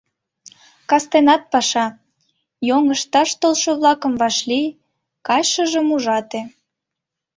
Кастенат паша: йоҥышташ толшо-влакым вашлий, кайышыжым ужате...